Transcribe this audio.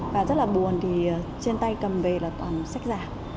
và rất là buồn thì trên tay cầm về là toàn sách giả